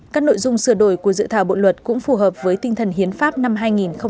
các nội dung sửa đổi của dự thảo bộ luật cũng phù hợp với tinh thần hiến pháp năm hai nghìn một mươi ba